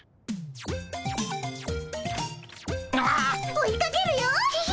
追いかけるよっ！